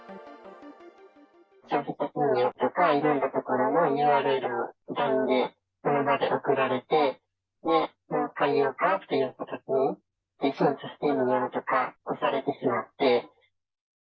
消費者金融とか、いろんなところのＵＲＬをＬＩＮＥで、その場で送られて、もう借りようかとか、審査してみようとかを押されてしまって。